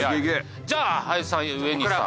じゃあ林さん上西さん